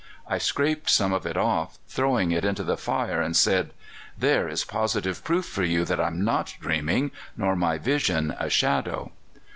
I scraped some of it off, throwing it into the fire, and said: "'There is positive proof for you that I'm not dreaming, nor my vision a shadow.